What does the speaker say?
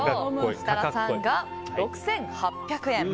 設楽さんが６８００円。